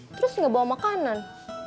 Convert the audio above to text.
terus enggak bawa makanan